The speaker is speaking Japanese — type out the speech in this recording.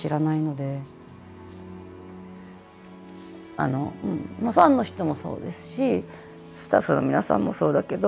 あのうんファンの人もそうですしスタッフの皆さんもそうだけど